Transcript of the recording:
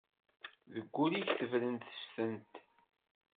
Deg wul-ik tebren testent.